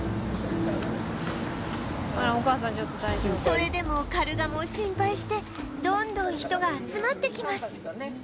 それでもカルガモを心配してどんどん人が集まってきます